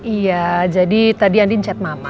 iya jadi tadi andin chat mama